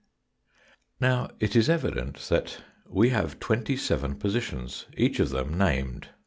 Now, it is evident that we have twenty seven positions, each of them named.